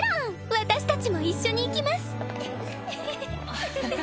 私達も一緒に行きます！